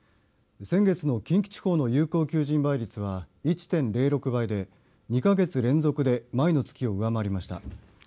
先月の近畿地方の有効求人倍率は１．０６倍で２か月連続で前の月を上回りました。